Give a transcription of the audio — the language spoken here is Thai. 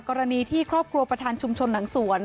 กรณีที่ครอบครัวประธานชุมชนหนังสวน